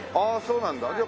ああそうなんだ。